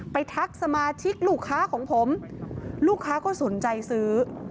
ทักสมาชิกลูกค้าของผมลูกค้าก็สนใจซื้อ